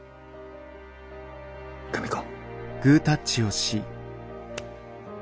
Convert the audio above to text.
久美子。